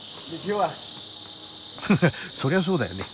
ハハッそりゃそうだよね。